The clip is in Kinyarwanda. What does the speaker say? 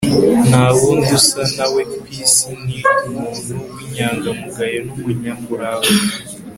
nta wundi usa na we ku isi; ni umuntu w'inyangamugayo n'umunyamurava